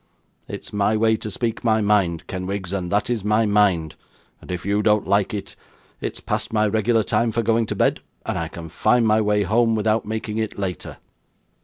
It's my way to speak my mind, Kenwigs, and that is my mind; and if you don't like it, it's past my regular time for going to bed, and I can find my way home without making it later.